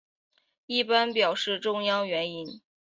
一般表示中央元音。